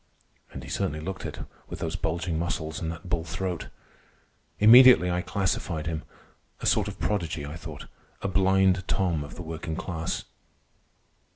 And he certainly looked it with those bulging muscles and that bull throat. Immediately I classified him—a sort of prodigy, I thought, a Blind Tom of the working class.